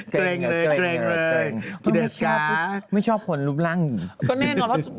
เกรงเลยเกรงเลยกินเอสก้าไม่ชอบผลรูปร่างอยู่